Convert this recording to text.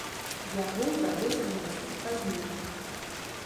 Яго ўдалося знайсці пазней.